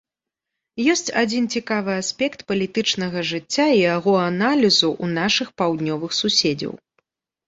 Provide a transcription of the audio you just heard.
Ёсць адзін цікавы аспект палітычнага жыцця і яго аналізу ў нашых паўднёвых суседзяў.